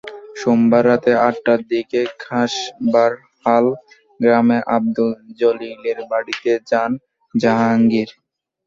সোমবার রাত আটটার দিকে খাসবারহাল গ্রামে আবদুল জলিলের বাড়িতে যান জাহাঙ্গীর।